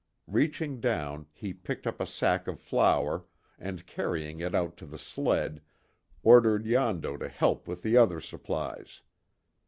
Reaching down, he picked up a sack of flour and carrying it out to the sled, ordered Yondo to help with the other supplies.